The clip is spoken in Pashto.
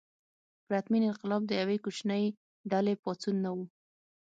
پرتمین انقلاب د یوې کوچنۍ ډلې پاڅون نه و.